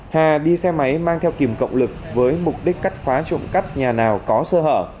hà đi xe máy mang theo kìm cộng lực với mục đích cắt khóa trộm cắp nhà nào có sơ hở